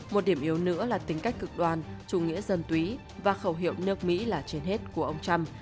một điểm yếu nữa là tính cách cực đoan chủ nghĩa dân túy và khẩu hiệu nước mỹ là trên hết của ông trump